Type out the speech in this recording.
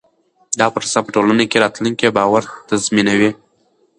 دا پروسه په ټولنه کې راتلونکی باور تضمینوي.